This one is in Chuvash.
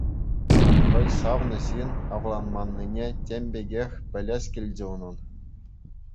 Хӑй савнӑ ҫын авланманнине тем пекех пӗлес килчӗ унӑн.